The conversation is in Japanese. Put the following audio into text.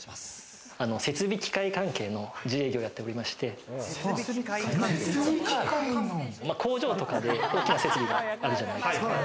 設備機械関係の自営業をやっておりまして、工場とかで大きな設備があるじゃないですか。